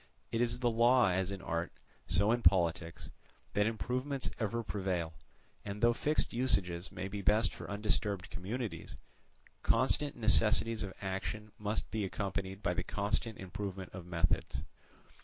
It is the law as in art, so in politics, that improvements ever prevail; and though fixed usages may be best for undisturbed communities, constant necessities of action must be accompanied by the constant improvement of methods.